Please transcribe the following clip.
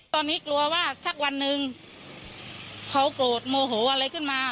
ตอนนี้กลัวว่าสักวันหนึ่งเขาโกรธโมโหอะไรขึ้นมา